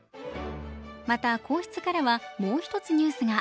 また、皇室からはもう一つニュースが。